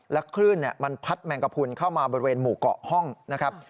คลื่นมันพัดแมงกระพุนเข้ามาบริเวณหมู่เกาะห้องนะครับ